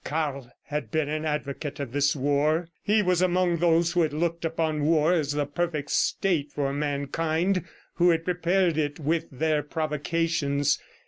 Karl had been an advocate of this war. He was among those who had looked upon war as the perfect state for mankind, who had prepared it with their provocations.